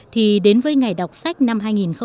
thì đến với ngày đọc sách năm hai nghìn một mươi bảy